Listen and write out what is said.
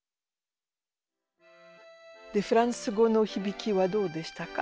フランス語のひびきはどうでしたか？